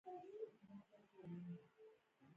هعلْهبت تر لاسَ کړئ.